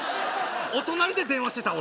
お隣で電話してた？